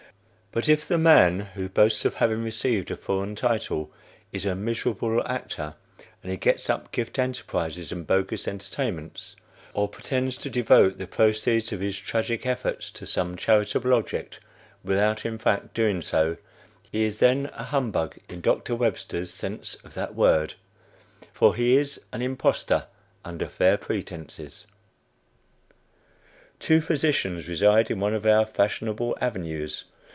But if the man who boasts of having received a foreign title is a miserable actor, and he gets up gift enterprises and bogus entertainments, or pretends to devote the proceeds of his tragic efforts to some charitable object, without, in fact, doing so he is then a humbug in Dr. Webster's sense of that word, for he is an "impostor under fair pretences." Two physicians reside in one of our fashionable avenues.